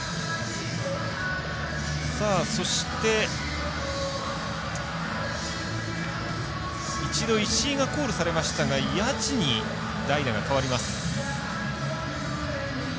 そして、一度石井がコールされましたが谷内に代打が代わります。